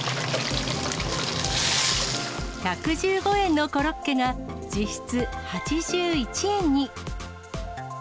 １１５円のコロッケが、実質８１円に。